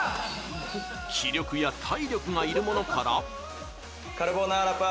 気力や体力がいるものから。